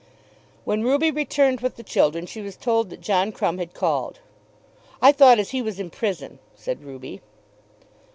When Ruby returned with the children she was told that John Crumb had called. "I thought as he was in prison," said Ruby.